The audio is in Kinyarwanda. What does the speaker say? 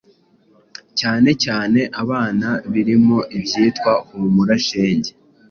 cyane cyane abana birimo ibyitwa “Humura shenge”, “